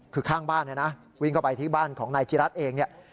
คือข้างบ้านนะวิ่งเข้าไปที่บ้านของนายจิรัสเอง